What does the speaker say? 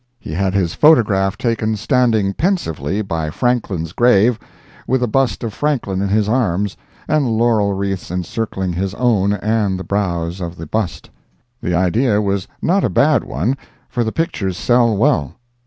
He had his photograph taken standing pensively by Franklin's grave, with a bust of Franklin in his arms, and laurel wreaths encircling his own and the brows of the bust. The idea was not a bad one, for the pictures sell well.